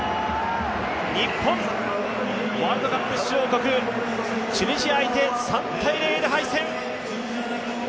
日本、ワールドカップ出場国、チュニジア相手、３−０で敗戦。